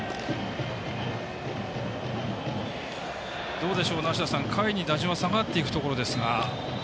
どうでしょう、梨田さん下位に打順は下がっていくところですが。